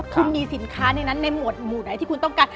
คุณมีสินค้าในนั้นในหมู่ไหนที่คุณต้องการ